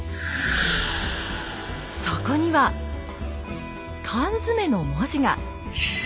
そこには缶詰の文字が！